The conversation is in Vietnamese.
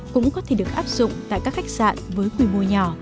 cũng có thể được áp dụng tại các khách sạn với quy mô nhỏ